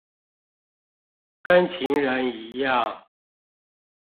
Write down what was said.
跟情人一樣